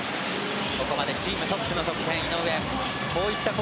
ここまでチームトップの得点井上。